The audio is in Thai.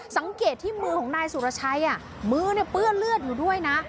สังเกตที่มือของนายสุรชัยมือเนี่ยเปื้อนเลือดอยู่ด้วยนะ